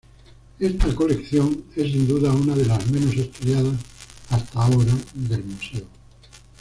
Esta colección es, sin duda, una de las menos estudiadas hasta ahora del museo.